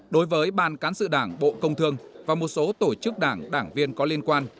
đối với ban cán sự đảng bộ công thương và một số tổ chức đảng đảng viên có liên quan